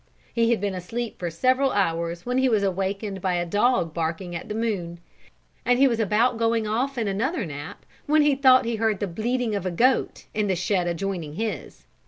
He had been asleep for several hours when he was awakened by a dog barking at the moon, and he was about going off in another nap when he thought he heard the bleating of a goat in the shed adjoining his.